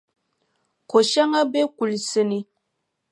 Koʼ shɛŋa be kulisi ni.